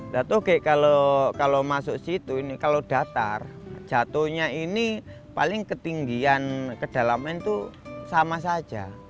nah toge kalau masuk situ ini kalau datar jatuhnya ini paling ketinggian kedalaman itu sama saja